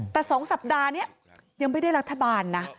แต่๒สัปดาห์นี้ยังไม่ได้รัฐบาลนะ